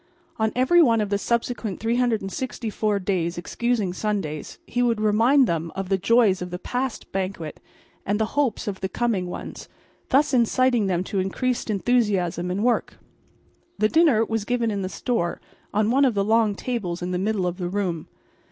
On every one of the subsequent 364 days, excusing Sundays, he would remind them of the joys of the past banquet and the hopes of the coming ones, thus inciting them to increased enthusiasm in work. The dinner was given in the store on one of the long tables in the middle of the room.